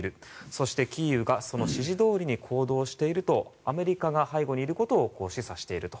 そして、キーウが指示どおりに行動しているとアメリカが背後にいることを示唆していると。